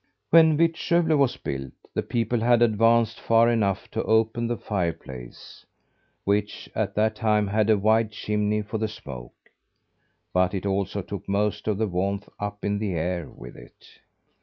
When Vittskövle was built, the people had advanced far enough to open the fireplace, which, at that time, had a wide chimney for the smoke; but it also took most of the warmth up in the air with it.